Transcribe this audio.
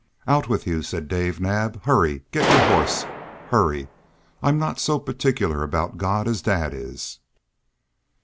"Out with you!" said Dave Naab. "Hurry! Get your horse. Hurry! I'm not so particular about God as Dad is!"